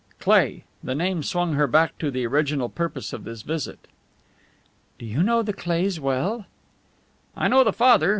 Cleigh! The name swung her back to the original purpose of this visit. "Do you know the Cleighs well?" "I know the father.